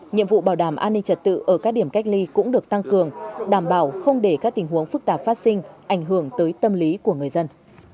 nhiệm vụ bảo đảm an ninh trật tự ở các điểm cách ly cũng được tăng cường đảm bảo không để các tình huống phức tạp phát sinh ảnh hưởng tới tâm lý của người dân